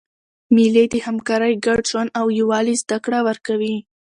مېلې د همکارۍ، ګډ ژوند او یووالي زدهکړه ورکوي.